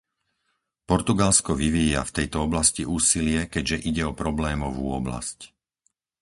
Portugalsko vyvíja v tejto oblasti úsilie, keďže ide o problémovú oblasť.